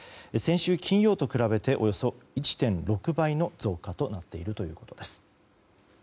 先週金曜日と比べておよそ１．６倍の増加となっているということです。